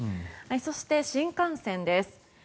そして新幹線です。